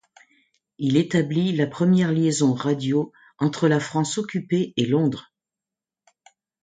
Il établit la première liaison radio entre la France occupée et Londres.